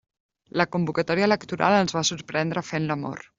La convocatòria electoral els va sorprendre fent l'amor.